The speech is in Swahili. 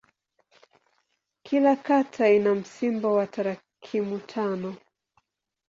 Kila kata ina msimbo wa tarakimu tano.